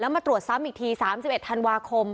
มาตรวจซ้ำอีกที๓๑ธันวาคม